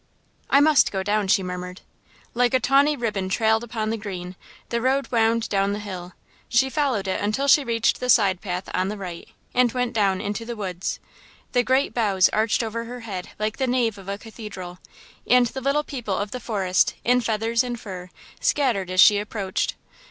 "I must go down," she murmured. Like a tawny ribbon trailed upon the green, the road wound down the hill. She followed it until she reached the side path on the right, and went down into the woods. The great boughs arched over her head like the nave of a cathedral, and the Little People of the Forest, in feathers and fur, scattered as she approached.